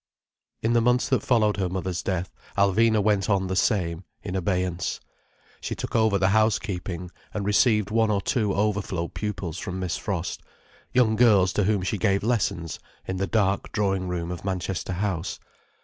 In the months that followed her mother's death, Alvina went on the same, in abeyance. She took over the housekeeping, and received one or two overflow pupils from Miss Frost, young girls to whom she gave lessons in the dark drawing room of Manchester House.